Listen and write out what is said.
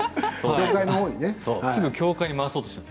すぐ協会に回そうとしている。